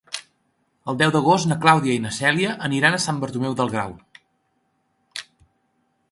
El deu d'agost na Clàudia i na Cèlia aniran a Sant Bartomeu del Grau.